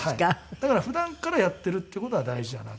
だから普段からやってるっていう事が大事だなと。